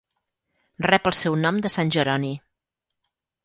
Rep el seu nom de Sant Jeroni.